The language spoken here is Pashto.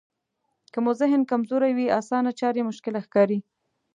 که مو ذهن کمزوری وي اسانه چارې مشکله ښکاري.